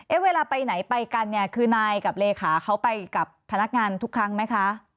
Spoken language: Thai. เวลาไปไหนไปกันเนี่ยคือนายกับเลขาเขาไปกับพนักงานทุกครั้งไหมคะ